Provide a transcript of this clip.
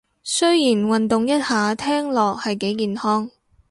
雖然運動一下聽落係幾健康